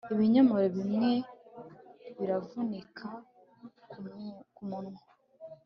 Ibinyomoro bimwe bivunika ku munwa